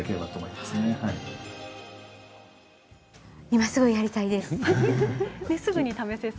今すぐやりたいです。